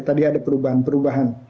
tadi ada perubahan perubahan